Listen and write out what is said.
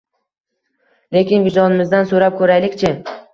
Lekin vijdonimizdan so’rab ko’raylik-chi